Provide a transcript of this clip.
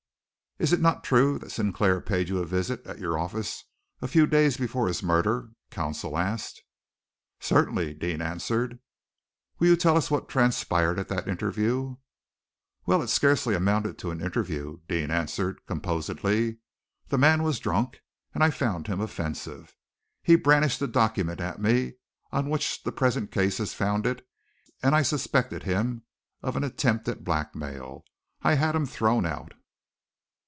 "Is it not true that Sinclair paid you a visit at your offices a few days before his murder?" counsel asked. "Certainly!" Deane answered. "Will you tell us what transpired at that interview?" "Well, it scarcely amounted to an interview," Deane answered composedly. "The man was drunk, and I found him offensive. He brandished the document at me on which the present case is founded, and I suspected him of an attempt at blackmail. I had him thrown out."